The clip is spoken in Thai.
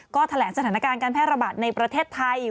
ก็แถลงสถานการณ์การแพร่ระบาดในประเทศไทย